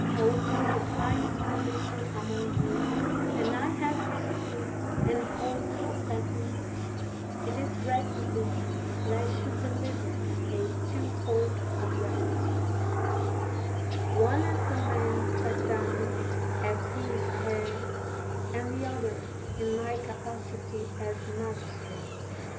200 MARK ANTONY holding the highest position among you and 1 have received and hold the second, it is requisite that I should deliver a twofold address: one as the man set down as his heir and the other in my capacity as magistrate.